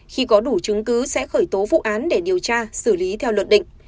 khi có đủ chứng cứ sẽ khởi tố vụ án để điều tra xử lý theo luật định